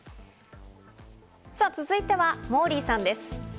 さぁ続いてはモーリーさんです。